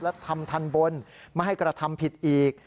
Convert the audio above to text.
และทำทันบนไม่ให้กระทำผิดอีก